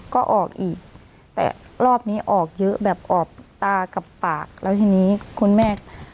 ก็ออกอีกแต่รอบนี้ออกเยอะแบบออกตากับปากแล้วทีนี้คุณแม่